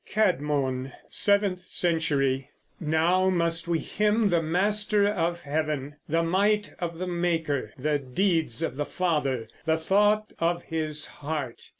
CÆDMON (Seventh Century) Now must we hymn the Master of heaven, The might of the Maker, the deeds of the Father, The thought of His heart.